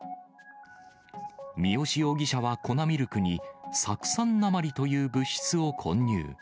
三好容疑者は、粉ミルクに、酢酸鉛という物質を混入。